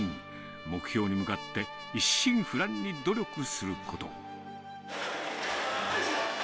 目標に向かって、一心不乱に努力よいしょ。